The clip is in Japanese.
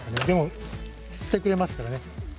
でも吸ってくれますからね。